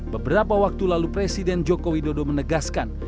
beberapa waktu lalu presiden joko widodo menegaskan